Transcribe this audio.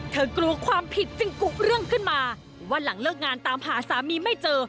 กลัวความผิดจึงกุเรื่องขึ้นมาว่าหลังเลิกงานตามหาสามีไม่เจอ